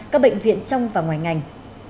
các bệnh viện trong và ngoài ngành